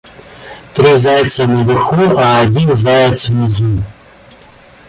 Три зайца наверху, а один заяц внизу.